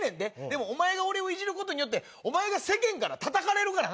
でもお前が俺をいじることによってお前が世間からたたかれるから。